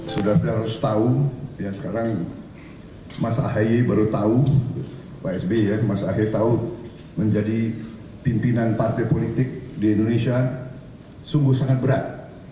sudah harus tahu ya sekarang mas aheye baru tahu pak sby mas aheye tahu menjadi pimpinan partai politik di indonesia sungguh sangat berat